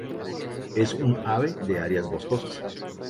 Es un ave de áreas boscosas.